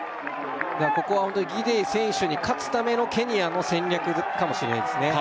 ここはホントにギデイ選手に勝つためのケニアの戦略かもしれないですね